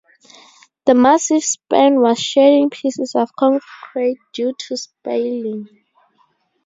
The massive span was shedding pieces of concrete due to spalling.